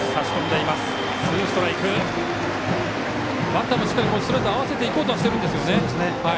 バッターもしっかりストレート合わせていこうとはしてるんですよね。